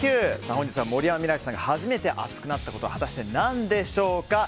本日は森山未來さんが初めて熱くなったことは果たして何でしょうか。